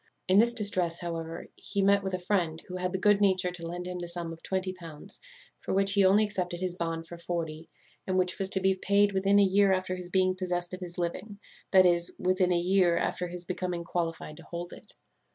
"In this distress, however, he met with a friend, who had the good nature to lend him the sum of twenty pounds, for which he only accepted his bond for forty, and which was to be paid within a year after his being possessed of his living; that is, within a year after his becoming qualified to hold it.